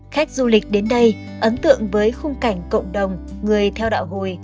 khách du lịch đến đây ấn tượng với khung cảnh cộng đồng người theo đạo hồi